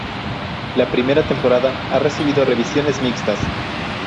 La primera temporada ha recibido revisiones mixtas.